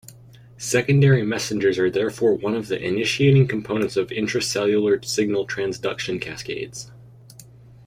Secondary messengers are therefore one of the initiating components of intracellular signal transduction cascades.